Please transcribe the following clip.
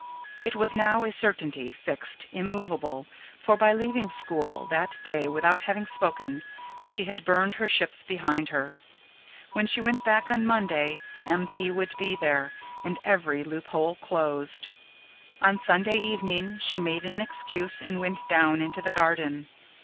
It was now a certainty, fixed, immovable; for, by leaving school that day without having spoken, she had burned her ships behind her. When she went back on Monday M. P. would be there, and every loophole closed. On Sunday evening she made an excuse and went down into the garden.